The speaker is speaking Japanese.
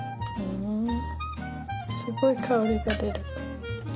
すごい香りが出る。